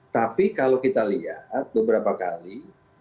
tapi kalau kita lihat beberapa kali